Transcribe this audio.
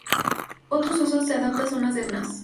Otros usos: se adapta a zonas de dunas.